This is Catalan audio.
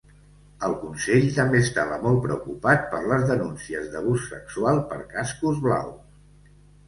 El Consell també estava molt preocupat per les denúncies d'abús sexual per cascos blaus.